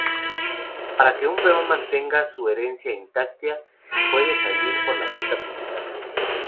Para que un peón mantenga su herencia intacta, puede salir por la puerta principal.